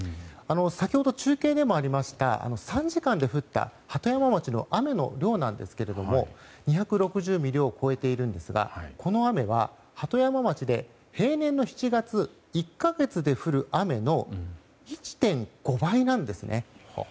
先ほど、中継でもありました３時間で降った鳩山町の雨の量なんですが２６０ミリを超えているんですがこの雨は鳩山町で平年の７月、１か月で降る雨の１．５倍なんですね。